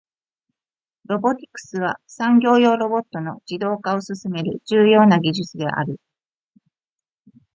ロボティクスは、産業用ロボットの自動化を進める重要な技術である。